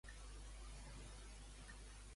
De quina ètnia és Matko?